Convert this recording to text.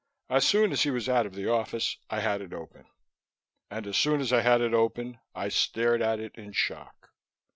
As soon as he was out of the office, I had it open. And as soon as I had it open, I stared at it in shock.